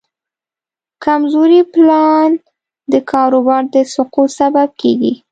کمزوری پلان د کاروبار د سقوط سبب کېږي.